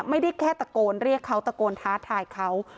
ไม่ได้แค่ตะโกนเรียกเขาตะโกนท้าทายเขา